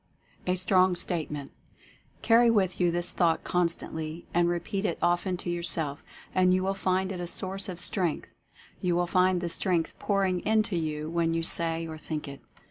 A STRONG STATEMENT. Carry with you this thought constantly and repeat it often to yourself and you will find it a source of Strength — you will find the Strength pouring into you when you say or think it.